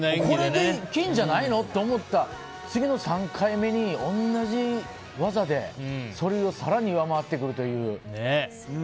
これで金じゃないの？って思った次の３回目に同じ技でそれを更に上回ってくるという。